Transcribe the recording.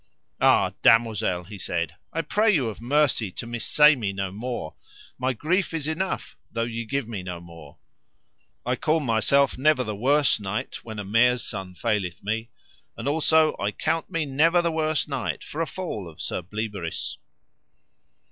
Ah, damosel, he said, I pray you of mercy to missay me no more, my grief is enough though ye give me no more; I call myself never the worse knight when a mare's son faileth me, and also I count me never the worse knight for a fall of Sir Bleoberis.